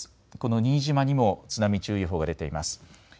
新島にも津波注意報が出ています。